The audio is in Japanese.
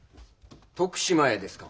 徳島へですか？